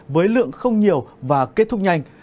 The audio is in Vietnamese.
với lượng không nhiều và kết thúc nhanh